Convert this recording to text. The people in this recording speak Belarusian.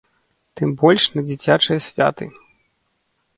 Тым больш на дзіцячыя святы.